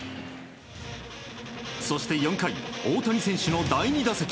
そして４回、大谷選手の第２打席。